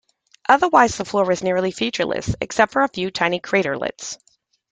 Otherwise the floor is nearly featureless, except for a few tiny craterlets.